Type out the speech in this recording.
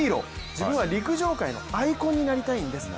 自分は陸上界のアイコンになりたいんですと。